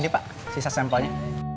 ini pak sisa sampelnya